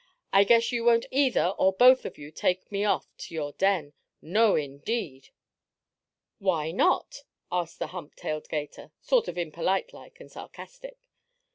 "I guess you won't either, or both of you take me off to your den. No, indeed!" "Why not?" asked the hump tailed 'gator, sort of impolite like and sarcastic.